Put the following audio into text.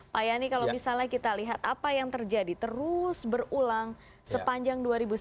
pak yani kalau misalnya kita lihat apa yang terjadi terus berulang sepanjang dua ribu sembilan belas